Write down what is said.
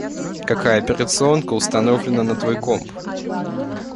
Какая операционка установлена на твой комп?